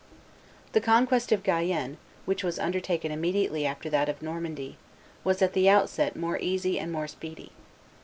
The conquest of Guyenne, which was undertaken immediately after that of Normandy, was at the outset more easy and more speedy.